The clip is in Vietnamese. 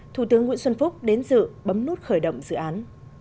thủ tướng nguyễn xuân phúc đến dự bấm nút khởi động dự án